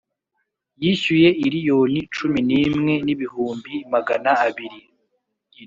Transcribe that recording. Yishyuye iliyoni cumi n’imwe n’ibihumbi magana abiri